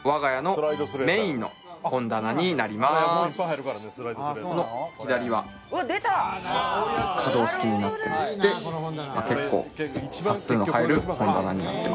こちらがこの左は可動式になってまして結構冊数の入る本棚になってます。